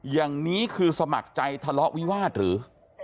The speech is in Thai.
อย่างนี้คือสมัครใจทะเลาะวิวาสหรือ